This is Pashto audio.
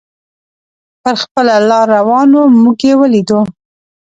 پر خپله لار روان و، موږ یې ولیدو.